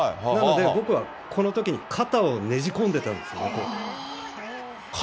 なので、僕はこのときに肩をねじ込んでたんですよ。